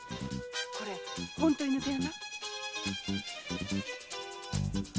これ本当に抜け穴？